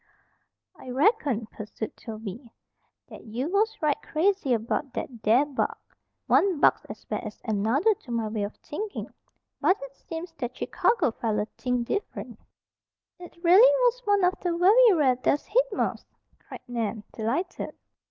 "I reckoned," pursued Toby, "that you was right crazy about that there bug. One bug's as bad as another to my way of thinkin'. But it seems that Chicago feller thinked dif'rent." "It really was one of the very rare death's head moths?" cried Nan, delighted.